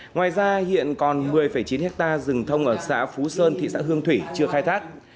ngoài ra hiện còn một mươi chín hectare rừng thông ở xã phú sơn thị xã hương thủy chưa khai thác